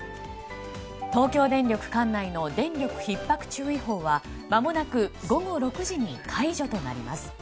東京電力管内の電力需給ひっ迫注意報はまもなく午後６時に解除となります。